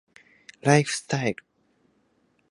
ライフスタイル